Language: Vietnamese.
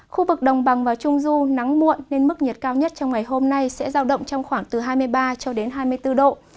khu vực đồng bằng và trung du nắng muộn nên mức nhiệt cao nhất trong ngày hôm nay sẽ giao động trong khoảng từ hai mươi ba cho đến hai mươi bốn độ